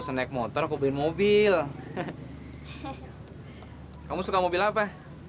sampai jumpa di video selanjutnya